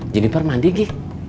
jadi per mandi gi